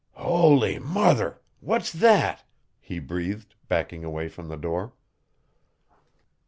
"Howly murther! What's that?" he breathed, backing away from the door.